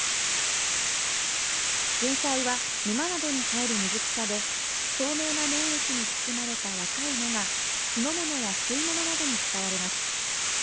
ジュンサイは沼などに生える水草で透明な粘液に包まれた若い芽が酢の物や吸い物などに使われます。